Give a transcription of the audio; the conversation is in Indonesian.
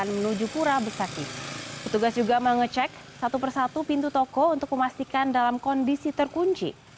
memastikan dalam kondisi terkunci